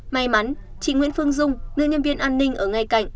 may mắn chị nguyễn phương dung nữ nhân viên an ninh ở ngay cạnh